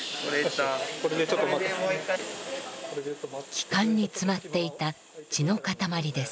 気管に詰まっていた血の塊です。